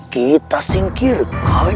kita singkirkan nyai kelis